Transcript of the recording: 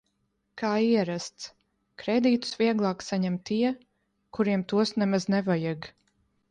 Kā ierasts, kredītus vieglāk saņem tie, kuriem tos nemaz nevajag.